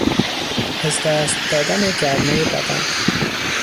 از دست دادن گرمای بدن